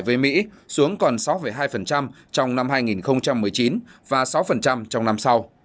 với mỹ xuống còn sáu hai trong năm hai nghìn một mươi chín và sáu trong năm sau